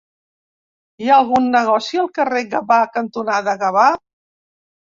Hi ha algun negoci al carrer Gavà cantonada Gavà?